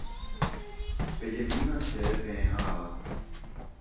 pejemína chéve peẽ ava